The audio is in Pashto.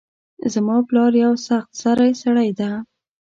زما پلار یو سخت سرۍ سړۍ ده